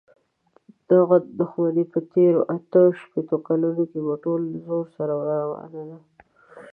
دغه دښمني په تېرو اته شپېتو کالونو کې په ټول زور سره روانه ده.